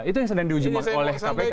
itu yang sedang di uji oleh kpk